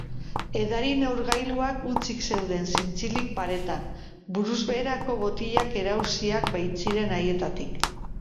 Edari-neurgailuak hutsik zeuden zintzilik paretan, buruz beherako botilak erauziak baitziren haietatik.